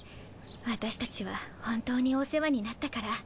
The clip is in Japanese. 私たちは本当にお世話になったから。